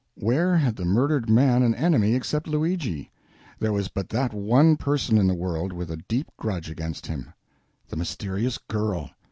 Where had the murdered man an enemy except Luigi? There was but that one person in the world with a deep grudge against him. The mysterious girl!